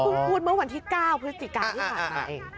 พี่ปุ๊บพูดเมื่อวันที่๙พฤศจิกายนี่ค่ะ